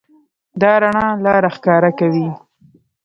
دا رڼا لاره ښکاره کوي.